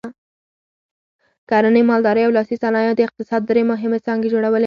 کرنې، مالدارۍ او لاسي صنایعو د اقتصاد درې مهمې څانګې جوړولې.